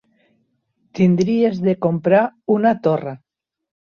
Tindries de comprar una torra.